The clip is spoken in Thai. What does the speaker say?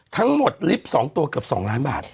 ทั้งหมดลิฟท์๒ตัวกับ๒ล้านบาท